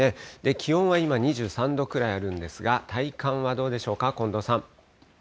気温は今、２３度くらいあるんですが、体感はどうでしょうか、近藤さん。